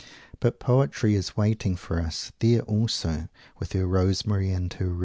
But poetry is waiting for us, there also, with her Rosemary and her Rue.